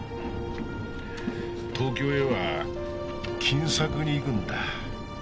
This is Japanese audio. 東京へは金策に行くんだ。